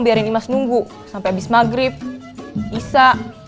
idris itu siapa